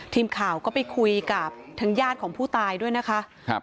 ทีมข่าวก็ไปคุยกับทางญาติของผู้ตายด้วยนะคะครับ